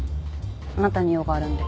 あなたに用があるんで。